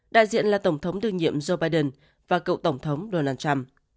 đại diện là tổng thống đương nhiệm joe biden và cựu tổng thống donald trump